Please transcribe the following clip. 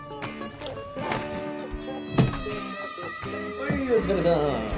ほいお疲れさん。